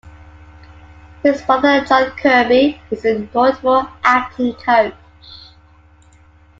His brother John Kirby is a notable acting coach.